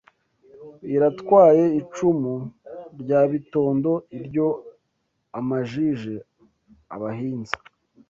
Riratwaye icumu rya Bitondo iryo amajije abahinza